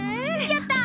やった！